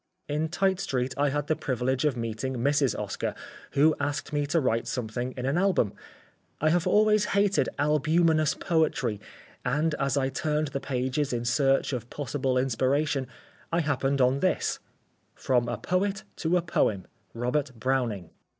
In Tite street I had the privilege of meeting Mrs. Oscar, who asked me to write something in an album. I have always hated albumenous poetry and, as I turned the pages in search of possible inspiration, I happened on this: _From a poet to a poem. Robert Browning.